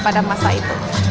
pada masa itu